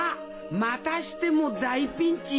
またしても大ピンチ！